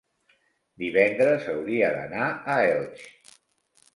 Divendres hauria d'anar a Elx.